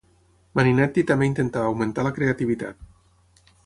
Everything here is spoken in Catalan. Marinetti també intentava augmentar la creativitat.